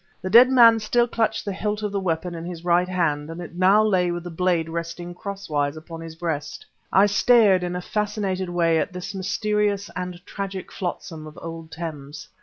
The dead man still clutched the hilt of the weapon in his right hand, and it now lay with the blade resting crosswise upon his breast. I stared in a fascinated way at this mysterious and tragic flotsam of old Thames.